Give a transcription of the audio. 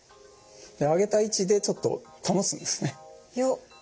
上げた位置でちょっと保つんですね。